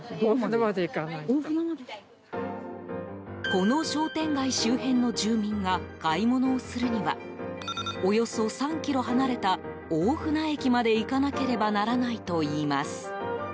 この商店街周辺の住民が買い物をするにはおよそ３ｋｍ離れた大船駅まで行かなければならないといいます。